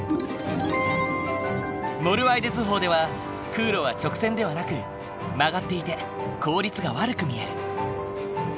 モルワイデ図法では空路は直線ではなく曲がっていて効率が悪く見える。